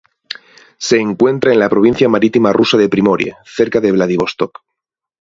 Se encuentra en la provincia marítima rusa de Primorie, cerca de Vladivostok.